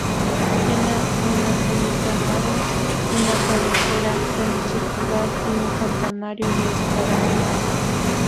Tiene una única nave, una cabecera semicircular y un campanario de espadaña.